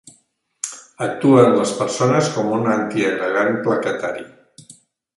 Actua en les persones com un antiagregant plaquetari.